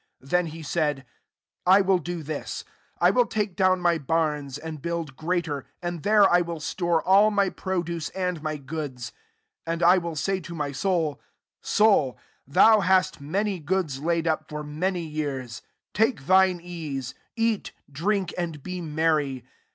18 Then he said, «I will do this : I will take down my bams, and build greater; and there I will store all my f reduce and my goods. 19 And will say to my soul,* Soul, thou hast many goods laid up for many years ; take thine ease, eat, drink, and be merry.'